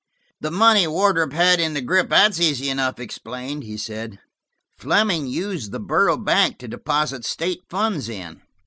"The money Wardrop had in the grip–that's easy enough explained," he said. "Fleming used the Borough Bank to deposit state funds in.